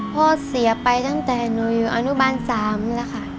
พ่อเสียไปตั้งแต่หนูอยู่อนุมาเป็นชานากาศบ้าน๓แล้วค่ะ